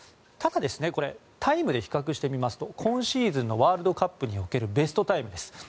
ただ、タイムで比較してみますと今シーズンのワールドカップにおけるベストタイムです。